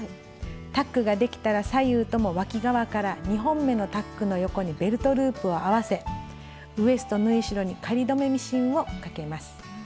タックができたら左右ともわき側から２本目のタックの横にベルトループを合わせウエスト縫い代に仮留めミシンをかけます。